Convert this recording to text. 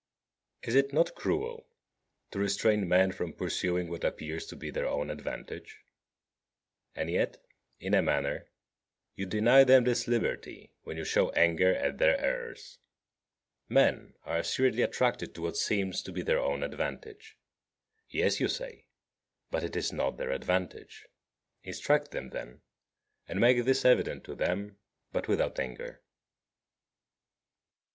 27. Is it not cruel to restrain men from pursuing what appears to be their own advantage? And yet, in a manner, you deny them this liberty when you shew anger at their errors. Men are assuredly attracted to what seems to be their own advantage. "Yes," you say, "but it is not their advantage." Instruct them, then, and make this evident to them, but without anger.